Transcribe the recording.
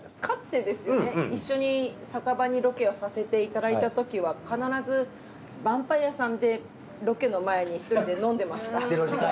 かつてですよね一緒に酒場にロケをさせていただいたときは必ず晩杯屋さんでロケの前に１人で飲んでました。